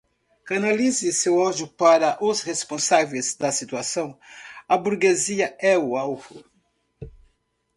Canalize seu ódio para os responsáveis da situação, a burguesia é o alvo